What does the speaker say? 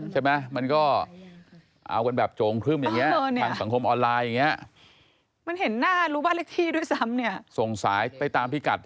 กำลังจากพิกัด